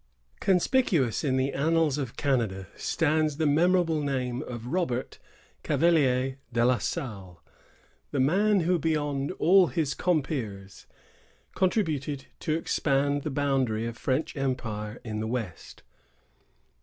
Conspicuous in the annals of Canada stands the memorable name of Robert Cavelier de La Salle, the man who, beyond all his compeers, contributed to expand the boundary of French empire in the west.